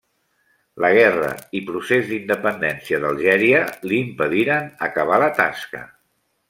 La guerra i procés d'independència d'Algèria li impediren acabar la tasca.